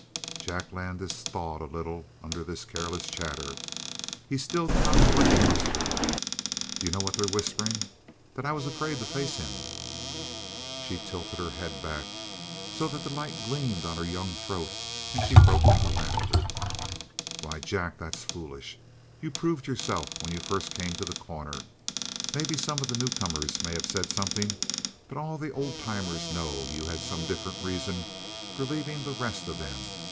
Jack Landis thawed a little under this careless chatter. He still did not quite trust her. "Do you know what they're whispering? That I was afraid to face him!" She tilted her head back, so that the light gleamed on her young throat, and she broke into laughter. "Why, Jack, that's foolish. You proved yourself when you first came to The Corner. Maybe some of the newcomers may have said something, but all the old timers know you had some different reason for leaving the rest of them.